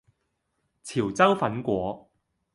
潮州粉果